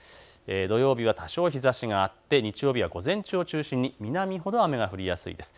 土曜日は多少日ざしがあって日曜日は午前中を中心に南ほど雨が降りやすいです。